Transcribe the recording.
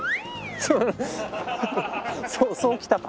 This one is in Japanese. そうきたか。